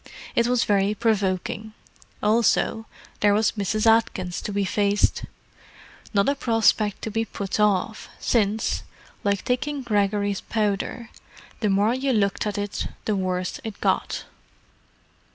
It was very provoking. Also, there was Mrs. Atkins to be faced—not a prospect to be put off, since, like taking Gregory's Powder, the more you looked at it the worse it got.